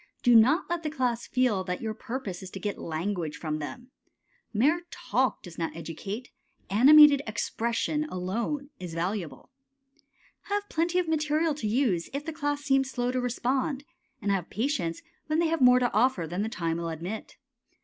Do not let the class feel that your purpose is to get language from them. Mere talk does not educate. Animated expression alone is valuable. Have plenty of material to use if the class seem slow to respond, and have patience when they have more to offer than the time will admit.